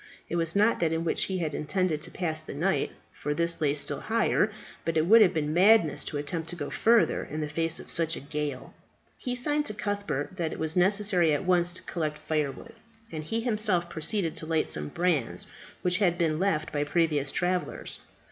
It was not that in which he had intended to pass the night, for this lay still higher; but it would have been madness to attempt to go further in the face of such a gale. He signed to Cuthbert that it was necessary at once to collect firewood, and he himself proceeded to light some brands which had been left by previous travellers.